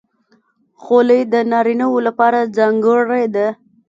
خولۍ د نارینه وو لپاره ځانګړې ده.